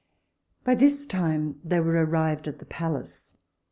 By this time they were arrived at the palace.